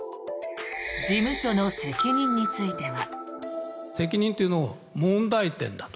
事務所の責任については。